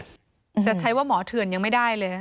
จะใช้ว่าหมอเถื่อนยังไม่ได้เลย